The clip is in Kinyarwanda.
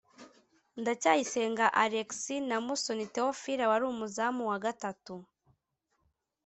Ndacyayisenga Alexis na Musoni Theophile wari umuzamu wa gatatu